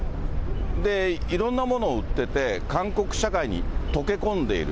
で、いろんなものを売ってて、韓国社会にとけこんでいる。